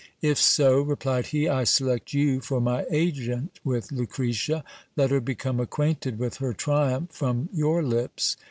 If so, replied he, I select you for my agent with Lucretia ; let her become acquainted with her triumph from your lips.